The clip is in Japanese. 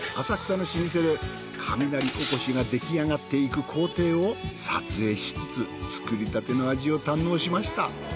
浅草の老舗で雷おこしができあがっていく工程を撮影しつつ作りたての味を堪能しました。